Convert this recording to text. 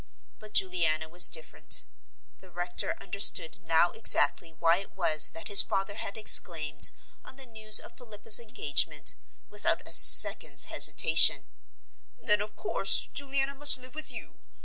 But Juliana was different. The rector understood now exactly why it was that his father had exclaimed, on the news of Philippa's engagement, without a second's hesitation, "Then, of course, Juliana must live with you!